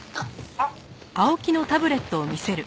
あっ！